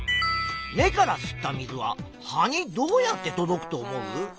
根から吸った水は葉にどうやって届くと思う？